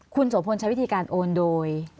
คุณโสพลใช้วิธีการโอนโดย